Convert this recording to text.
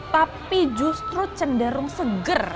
tapi justru cenderung seger